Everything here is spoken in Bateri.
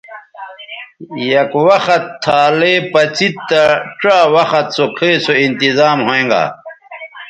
یک وخت تھالئ پڅید تہ ڇا وخت سو کھئ سو انتظام ھویں گا